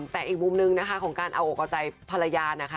แต่อีกมุมนึงนะคะของการเอาอกเอาใจภรรยานะคะ